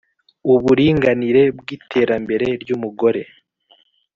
Uburinganire mwiterambere ryumugore